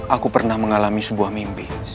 aku pernah mengalami sebuah mimpi